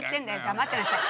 黙ってなさい。